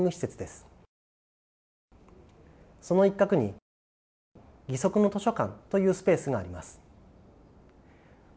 その一角にギソクの図書館というスペースがあります。